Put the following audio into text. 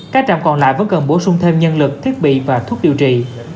các trạm còn lại vẫn cần bổ sung thêm nhân lực thiết bị và thuốc điều trị